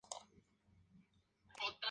Iris amarillo oscuro.